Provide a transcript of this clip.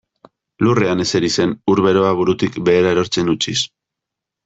Lurrean ezeri zen ur beroa burutik behera erortzen utziz.